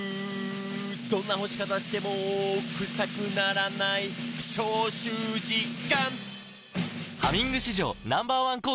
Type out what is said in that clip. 「どんな干し方してもクサくならない」「消臭実感！」